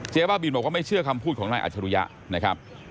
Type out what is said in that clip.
บ้าบินบอกว่าไม่เชื่อคำพูดของนายอัจฉริยะนะครับ